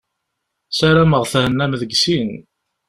Sarameɣ thennam deg sin.